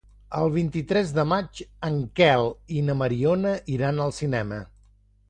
El vint-i-tres de maig en Quel i na Mariona iran al cinema.